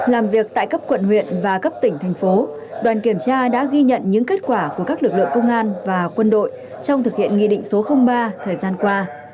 làm việc tại cấp quận huyện và cấp tỉnh thành phố đoàn kiểm tra đã ghi nhận những kết quả của các lực lượng công an và quân đội trong thực hiện nghị định số ba thời gian qua